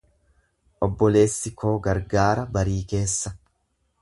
Obboleessi koo gargaara barii keessa.